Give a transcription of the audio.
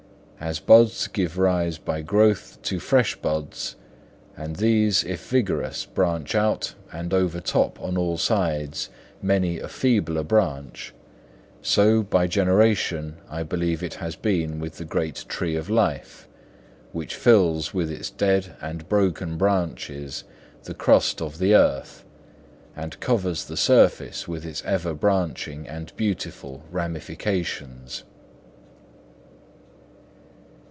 As buds give rise by growth to fresh buds, and these, if vigorous, branch out and overtop on all sides many a feebler branch, so by generation I believe it has been with the great Tree of Life, which fills with its dead and broken branches the crust of the earth, and covers the surface with its ever branching and beautiful ramifications.